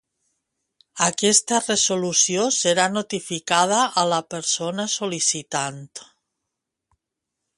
Aquesta resolució serà notificada a la persona sol·licitant.